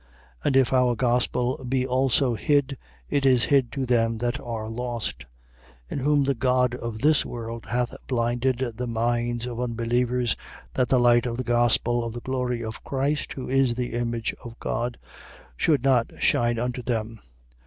4:3. And if our gospel be also hid, it is hid to them that are lost, 4:4. In whom the god of this world hath blinded the minds of unbelievers, that the light of the gospel of the glory of Christ, who is the image of God, should not shine unto them.